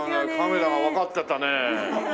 カメラがわかってたね。